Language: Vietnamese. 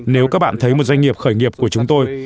nếu các bạn thấy một doanh nghiệp khởi nghiệp của chúng tôi